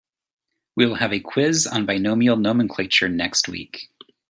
We will have a quiz on binomial nomenclature next week.